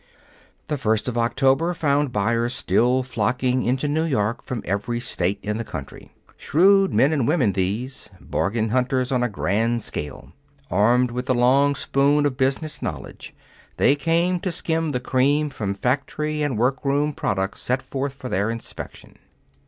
The first of October found buyers still flocking into New York from every State in the country. Shrewd men and women, these bargain hunters on a grand scale. Armed with the long spoon of business knowledge, they came to skim the cream from factory and workroom products set forth for their inspection.